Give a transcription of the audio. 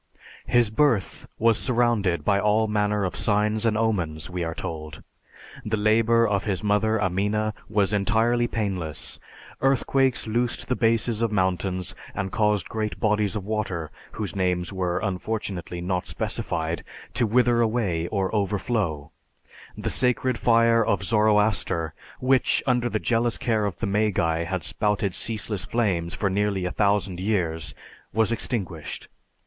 His birth was surrounded by all manner of signs and omens, we are told. The labor of his mother, Amina, was entirely painless, earthquakes loosed the bases of mountains and caused great bodies of water, whose names were unfortunately not specified, to wither away or overflow; the sacred fire of Zoroaster which, under the jealous care of the Magi, had spouted ceaseless flames for nearly a thousand years, was extinguished.